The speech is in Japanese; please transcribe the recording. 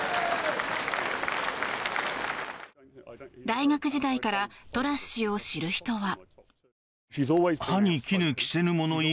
大学時代からトラス氏を知る人は。